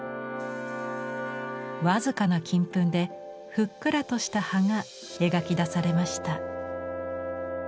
僅かな金粉でふっくらとした葉が描き出されました。